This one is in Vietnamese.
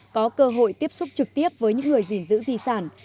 có cơ hội tiếp xúc trực tiếp với những người gìn giữ di sản